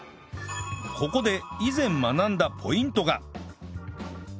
ここで以前学んだポイントが